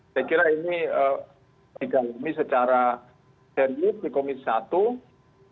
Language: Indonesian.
saya kira ini didalami secara serius di komisi satu